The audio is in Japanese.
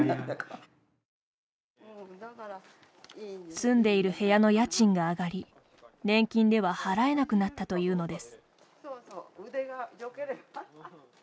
住んでいる部屋の家賃が上がり年金では払えなくなったというのです。